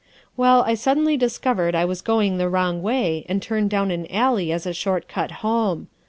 " Well, I suddenly discovered I was going the wrong way and turned down an alley as a short cut home.